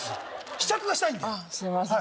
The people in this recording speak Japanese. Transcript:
試着がしたいんでああすいません